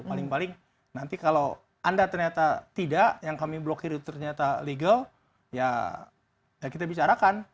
paling paling nanti kalau anda ternyata tidak yang kami blokir itu ternyata legal ya kita bicarakan